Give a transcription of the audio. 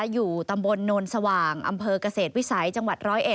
อยู่ตำบลโนนสว่างอำเภอกเกษตรวิสัยจังหวัด๑๐๑